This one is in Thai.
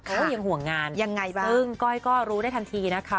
เขาก็ยังห่วงงานยังไงบ้างซึ่งก้อยก็รู้ได้ทันทีนะคะ